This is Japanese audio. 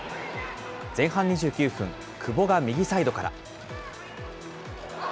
前半２９分、久保が右サイドから。